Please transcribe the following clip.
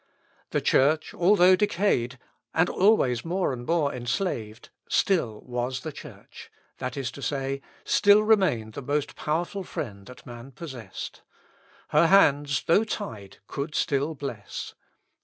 The Church, although decayed, and always more and more enslaved, still was the Church, that is to say, still remained the most powerful friend that man possessed. Her hands, though tied, could still bless.